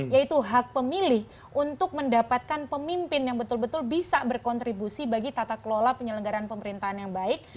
yaitu hak pemilih untuk mendapatkan pemimpin yang betul betul bisa berkontribusi bagi tata kelola penyelenggaran pemerintahan yang baik